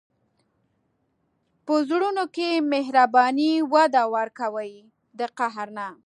په زړونو کې مهرباني وده ورکوي، د قهر نه.